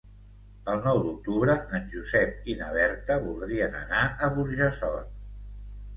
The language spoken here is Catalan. El nou d'octubre en Josep i na Berta voldrien anar a Burjassot.